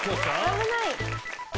危ない。